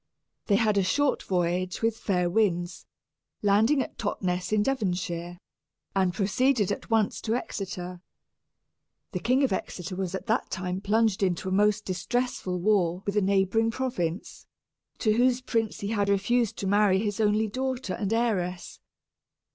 They had a short voyage with fair winds, landing at Totness, in Devonshire, and proceeded at once to Exeter. The King of Exeter was at that time plunged into a most distressful war with a neighboring province, to whose prince he had refused to marry his only daughter and heiress.